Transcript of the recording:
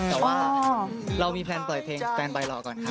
ก็ว่าเรามีแปลนเปล่าเพลงแล้วคุณแฟนไปรอก่อนครับ